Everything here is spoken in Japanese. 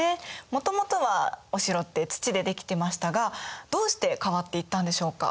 もともとはお城って土で出来てましたがどうして変わっていったんでしょうか？